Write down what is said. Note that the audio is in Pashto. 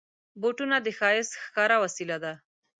بوټونه د ښایست ښکاره وسیله ده.